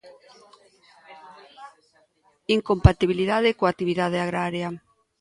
Incompatibilidade coa actividade agraria.